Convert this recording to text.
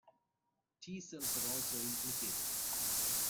T cells are also implicated.